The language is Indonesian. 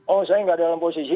oh saya nggak dalam posisi